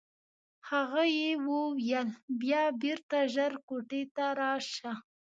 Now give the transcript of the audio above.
هغه یې وویل بیا بېرته ژر کوټې ته راشه.